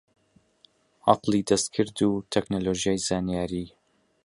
عەقڵی دەستکرد و تەکنۆلۆژیای زانیاری